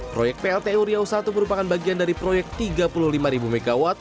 proyek pltu riau i merupakan bagian dari proyek tiga puluh lima mw